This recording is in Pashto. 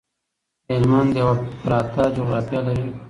هلمند یو پراته جغرافيه لري